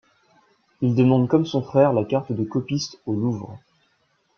Il demande comme son frère la carte de copiste au Louvre.